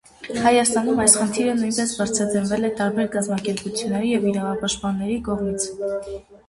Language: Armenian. Հայաստանում այս խնդիրը նույնպես բարձրաձայնվել է տարբեր կազմակերպությունների և իրավապաշտպանների կողմից։